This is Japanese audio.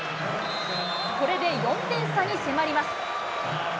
これで４点差に迫ります。